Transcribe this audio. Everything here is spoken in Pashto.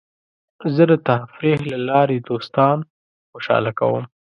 زه د تفریح له لارې دوستان خوشحاله کوم.